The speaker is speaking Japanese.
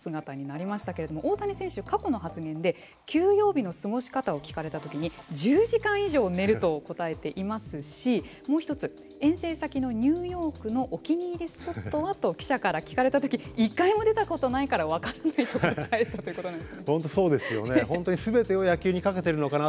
オフの姿になりましたけれども大谷選手は過去の発言で休養日の過ごし方を聞かれたときに１０時間以上寝ると答えていますしもう１つ、遠征先のニューヨークのお気に入りスポットは？と記者から聞かれたとき１回も出たことがないから分からないと答えたんです。